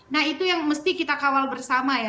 nah itu yang mesti kita kawal bersama ya